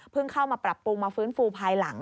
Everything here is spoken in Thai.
เข้ามาปรับปรุงมาฟื้นฟูภายหลัง